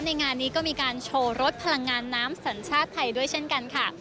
งานนี้ก็มีการโชว์รถพลังงานน้ำสัญชาติไทยด้วยเช่นกันค่ะ